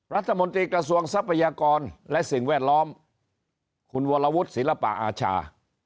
รัฐมนตรีกระทรวงทรัพยากรและสิ่งแวดล้อมคุณวรวุฒิศิลปะอาชา